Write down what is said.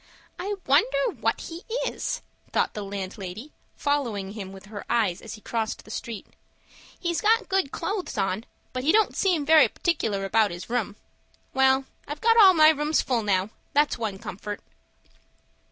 "I wonder what he is!" thought the landlady, following him with her eyes as he crossed the street. "He's got good clothes on, but he don't seem very particular about his room. Well; I've got all my rooms full now. That's one comfort."